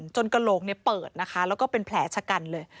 กระโหลกเปิดนะคะแล้วก็เป็นแผลชะกันเลย